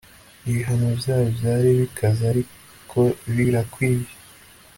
ibihano byabo byari bikaze, ariko birakwiye